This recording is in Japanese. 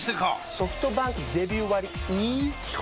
ソフトバンクデビュー割イズ基本